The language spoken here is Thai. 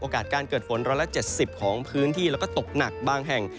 โอกาสการเกิดฝนร้อยละ๗๐ของพื้นที่แล้วก็ตกหนักบางแห่ง